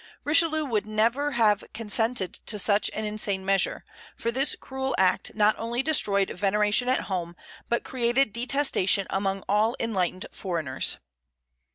Richelieu never would have consented to such an insane measure; for this cruel act not only destroyed veneration at home, but created detestation among all enlightened foreigners.